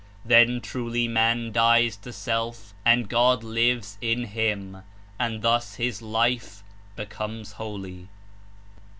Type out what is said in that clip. Then truly man dies to self and God lives in him, and thus his life becomes holy.